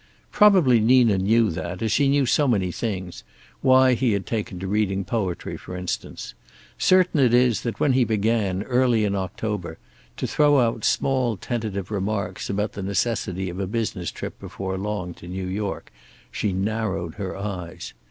Probably Nina knew that, as she knew so many things; why he had taken to reading poetry, for instance. Certain it is that when he began, early in October, to throw out small tentative remarks about the necessity of a business trip before long to New York, she narrowed her eyes.